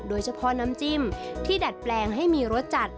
โดยเฉพาะน้ำจิ้มที่ดัดแปลงให้มีรสจัด